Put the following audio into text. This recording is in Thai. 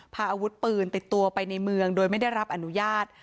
พาอาวุธปืนติดตัวไปในเมืองโดยไม่ได้รับอนุญาต